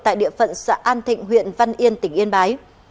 tại địa phận xã an thịnh huyện văn yên tỉnh yên bái